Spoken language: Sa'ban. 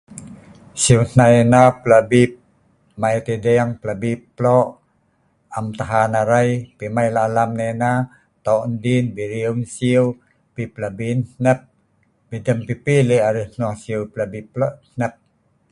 Sieu hnai ena plabi' maet edeeng, plabi plo' am tahan arai. Pi mai la'alam nai ena toe' din bi'riu sieu, pi plabi' hnep, bidem pi pi le' arai hnong sieu plabi' hnep.